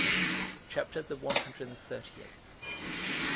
CHAPTER THE ONE HUNDRED AND THIRTY EIGHTH.